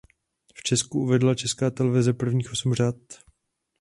V Česku uvedla Česká televize prvních osm řad.